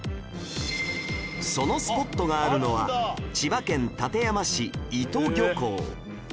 そのスポットがあるのは千葉県館山市伊戸漁港